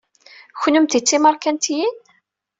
Kennemti d timerkantiyin?